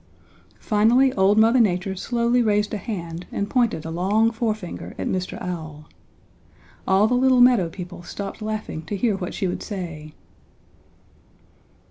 "Finally old Mother Nature slowly raised a hand and pointed a long forefinger at Mr. Owl. All the little meadow people stopped laughing to hear what she would say.